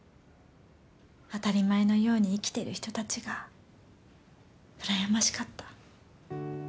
当たり前のように生きてる人たちがうらやましかった。